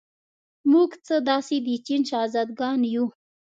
موږ څه داسې د چین شهزادګان یو.